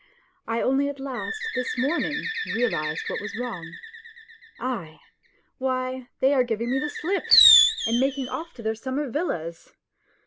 I only at last this morning realized what was wrong. Aie ! Why, they are giving me the slip and making off to their summer villas